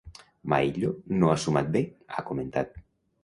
Maillo no ha sumat bé, ha comentat.